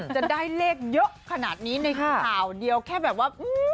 จะได้เลขเยอะขนาดนี้ในข่าวเดียวแค่แบบว่า